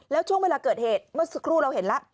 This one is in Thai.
แล้วช่วงเวลาเกิดเหตุเมื่อสักครู่เราเห็นแล้ว